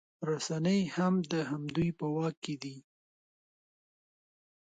رسنۍ هم د همدوی په واک کې دي